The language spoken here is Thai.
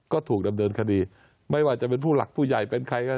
ก็ถูกดำเนินคดีไม่ว่าจะเป็นผู้หลักผู้ใหญ่เป็นใครก็